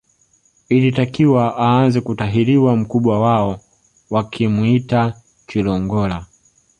Ilitakiwa aanze kutahiriwa mkubwa wao wakimuita Chilongola